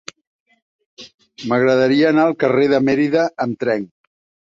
M'agradaria anar al carrer de Mérida amb tren.